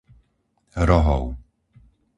Rohov